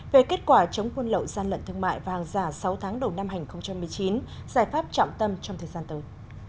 về kết quả chống buôn lậu gian lận thương mại và hàng giả sáu tháng đầu năm hai nghìn một mươi chín giải pháp trọng tâm trong thời gian tới